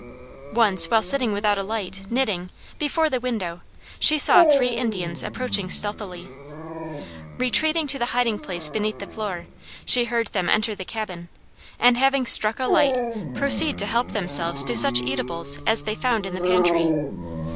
Once, while sitting without a light, knitting, before the window, she saw three Indians approaching stealthily. Retreating to the hiding place beneath the floor, she heard them enter the cabin, and, having struck a light, proceed to help themselves to such eatables as they found in the pantry.